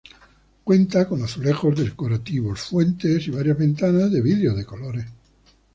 Cuenta con azulejos decorativos, fuentes y varias ventanas de vidrios de colores.